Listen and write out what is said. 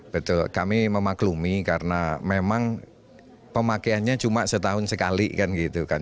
betul kami memaklumi karena memang pemakaiannya cuma setahun sekali kan gitu kan